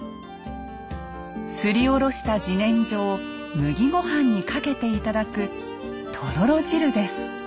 すりおろした自然薯を麦御飯にかけて頂くとろろ汁です。